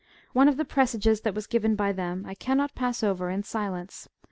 One of the presages that was given by them, I cannot pass over in silence.